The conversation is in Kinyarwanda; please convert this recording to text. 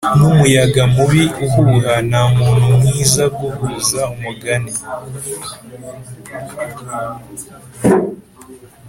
numuyaga mubi uhuha ntamuntu mwiza guhuza umugani